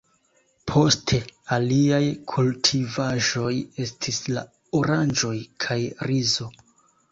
Poste aliaj kultivaĵoj estis la oranĝoj kaj rizo.